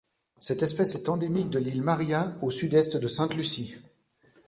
Cette espèce est endémique de l'île Maria au Sud-Est de Sainte-Lucie.